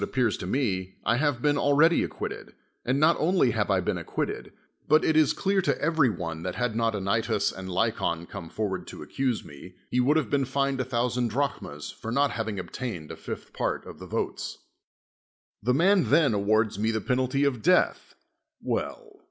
77 THE WORLD'S FAMOUS ORATIONS me, I have been already acquitted, and not only have I been acquitted, but it is clear to every one that had not Anytus and Lycon come for v> ard to accuse me, he would have been fined a thousand drachmas, for not having obtained a fifth part of the votes. The man then awards me the penalty of death. "Well.